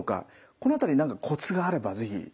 この辺り何かコツがあれば是非。